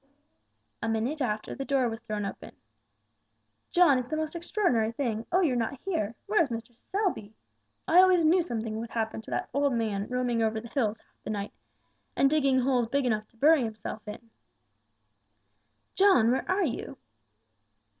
A minute after the door was thrown open. "John, it's the most extraordinary thing oh, you are not here! Where is Mr. Selby? I always knew something would happen to that old man roaming over the hills half the night, and digging holes big enough to bury himself! John! Where are you?"